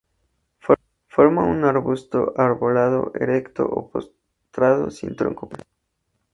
Forma un arbusto arbolado erecto o postrado sin tronco principal.